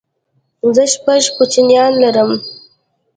زه شپږ کوچنيان لرم